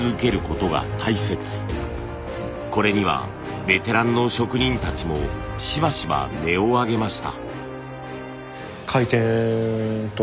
これにはベテランの職人たちもしばしば音を上げました。